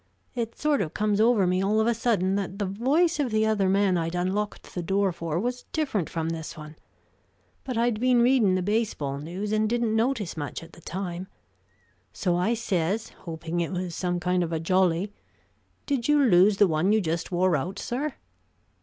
It sort of comes over me all of a sudden that the voice of the other man I'd unlocked the door for was different from this one. But I'd been reading the baseball news, and didn't notice much at the time. So I says, hoping it was some kind of a jolly, 'Did you lose the one you just wore out, sir?'